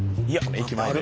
駅前で。